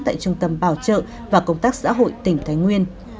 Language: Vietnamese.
tại trung tâm bảo trợ và công tác xã hội tỉnh thái nguyên